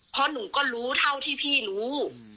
เพราะหนูก็รู้เท่าที่พี่รู้